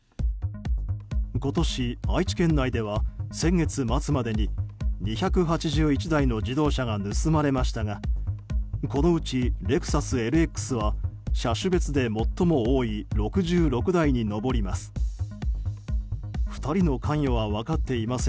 今年、愛知県内では先月末までに２８１台の自動車が盗まれましたがこのうち、レクサスＬＸは車種別で最も多い６６台に上ります。